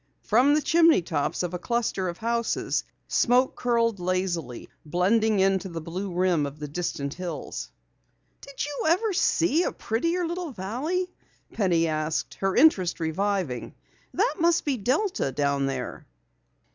From the chimney tops of a cluster of houses smoke curled lazily, blending into the blue rim of the distant hills. "Did you ever see a prettier little valley?" Penny asked, her interest reviving. "That must be Delta down there."